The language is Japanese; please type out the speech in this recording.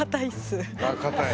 硬い。